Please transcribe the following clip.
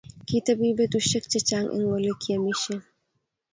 Kitebi betushiek chechang eng olegiamishen